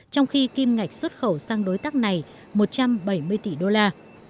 trong khi kim ngạch xuất khẩu sang đối tác này một trăm bảy mươi tỷ đô la